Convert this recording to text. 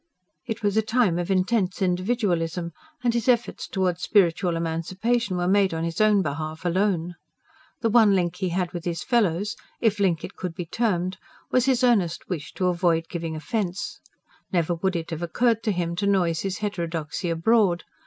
It was a time of intense individualism; and his efforts towards spiritual emancipation were made on his own behalf alone. The one link he had with his fellows if link it could be termed was his earnest wish to avoid giving offence: never would it have occurred to him to noise his heterodoxy abroad.